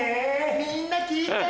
みんな聞いて！